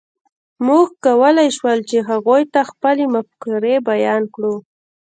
موږ کولی شول، چې هغوی ته خپلې مفکورې بیان کړو.